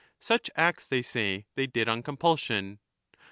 Such acts they say they did on compulsion.